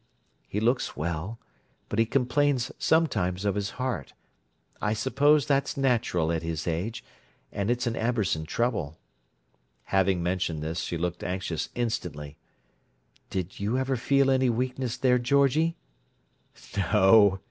"He looks well, but he complains sometimes of his heart: I suppose that's natural at his age—and it's an Amberson trouble." Having mentioned this, she looked anxious instantly. "Did you ever feel any weakness there, Georgie?" "No!"